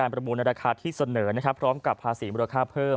ประมูลในราคาที่เสนอพร้อมกับภาษีมูลค่าเพิ่ม